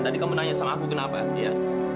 lara mau sama om gustaf aja